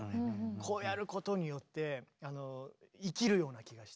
こうやることによって生きるような気がして。